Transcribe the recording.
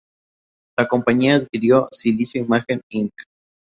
La compañía adquirió Silicio imagen Inc.